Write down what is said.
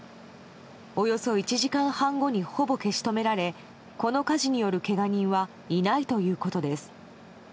およそ１時間半後にほぼ消し止められこの火事によるけが人はいないということです。